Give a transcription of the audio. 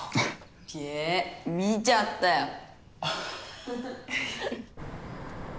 げ見ちゃったよフフ。